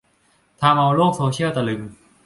ทำเอาโลกโซเชียลตะลึง